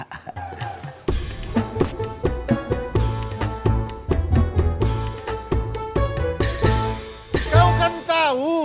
kau kan tau